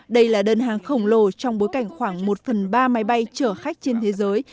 đây là đơn hàng khổng lồ trong bối cảnh khoảng một phần ba máy bay chở khách trên thế giới